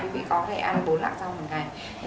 quý vị có thể ăn bốn lạng rau một ngày